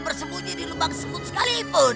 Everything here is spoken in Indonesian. bersembunyi di lubang sebut sekalipun